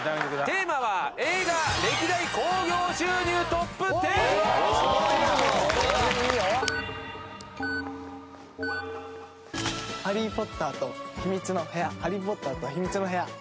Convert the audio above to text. テーマは『ハリー・ポッターと秘密の部屋』『ハリー・ポッターと秘密の部屋』。